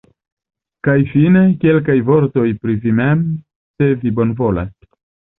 Kaj fine, kelkaj vortoj pri vi mem, se vi bonvolas?